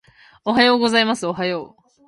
おはようございますおはよう